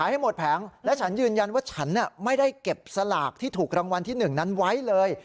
ให้หมดแผงและฉันยืนยันว่าฉันไม่ได้เก็บสลากที่ถูกรางวัลที่๑นั้นไว้เลย